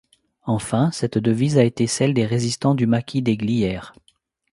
Enfin, cette devise a été celle des résistants du Maquis des Glières.